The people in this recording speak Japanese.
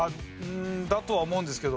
だとは思うんですけど。